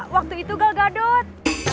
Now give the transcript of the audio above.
waktu itu gagal dot